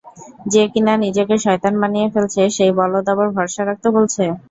যে কিনা নিজেকে শয়তান বানিয়ে ফেলছে, সেই বলদ আবার ভরসা রাখতে বলছে।